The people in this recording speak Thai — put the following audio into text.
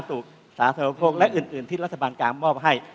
ทั้งเรื่องการศึกษาสาธุสาธารณภพพวกและอื่นที่รัฐบาลกลางมอบให้